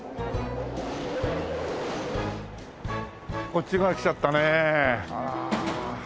こっち側来ちゃったねあら。